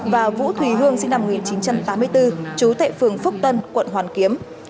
và vũ thùy hương sinh năm một nghìn chín trăm tám mươi bốn trú tại phường phúc tân quận hoàn kiếm